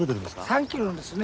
３キロですね。